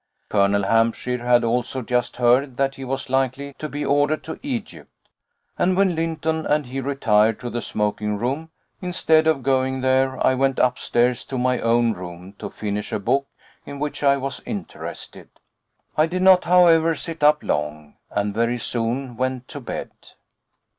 Colonel Hampshire had also just heard that he was likely to be ordered to Egypt, and when Lynton and he retired to the smoking room, instead of going there I went upstairs to my own room to finish a book in which I was interested. I did not, however, sit up long, and very soon went to bed.